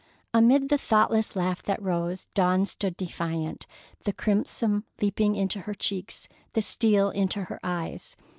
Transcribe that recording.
Amid the thoughtless laugh that rose, Dawn stood defiant, the crimson leaping into her cheeks, the steel into her eyes.